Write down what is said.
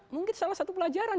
mungkin salah satu pelajaran